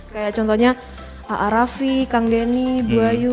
kayak contohnya a a raffi kang denny buayu